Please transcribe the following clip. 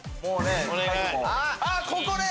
あっここで！